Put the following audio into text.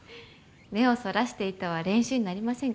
目をそらしていては練習になりませんから。